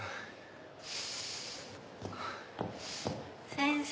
先生。